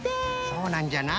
そうなんじゃな。